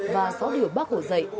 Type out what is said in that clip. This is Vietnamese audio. và sáu điều bác hổ dạy